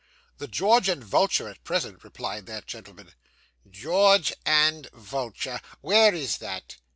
'The George and Vulture, at present,' replied that gentleman. 'George and Vulture. Where is that?